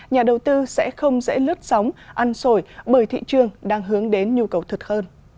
nhà đầu tư sẽ không dễ lướt sóng ăn sổi bởi thị trường đang hướng đến nhu cầu thật hơn